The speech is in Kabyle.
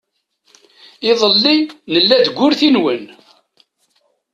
Iḍelli nella deg urti-nwen.